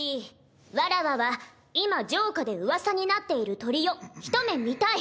わらわは今城下で噂になっている鳥をひと目見たい。